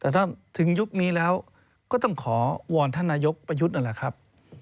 แต่ถ้าถึงยุคนี้แล้วก็ต้องขอวอนท่านนายกประยุทธ์นั่นแหละครับ